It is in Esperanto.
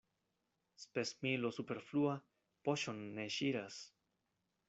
Spesmilo superflua poŝon ne ŝiras.